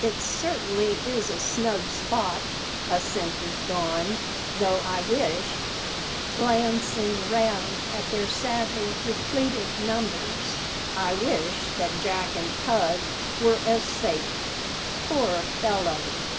"It certainly is a snug spot," assented Don; "though I wish" glancing round at their sadly depleted numbers "I wish that Jack and Pug were as safe, poor fellows."